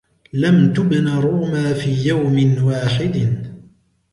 لم تبن روما في يوم واحد.